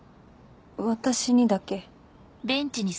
私にだけ？